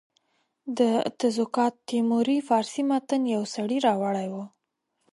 د تزوکات تیموري فارسي متن یو سړي راوړی وو.